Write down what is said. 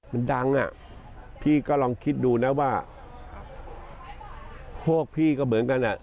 มันดังอ่ะพี่ก็ลองคิดดูนะว่าพวกพี่ก็เหมือนกันอ่ะ